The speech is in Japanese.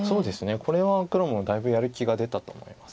これは黒もだいぶやる気が出たと思います。